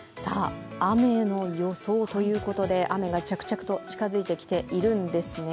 雨の予想ということで、雨が着々と近づいてきているんですね。